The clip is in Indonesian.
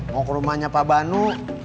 mau ke rumahnya pak banu